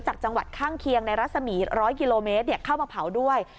จากจังหวัดข้างเคียงในรัศมี๑๐๐กิโลเมตรเข้ามาเผาด้วย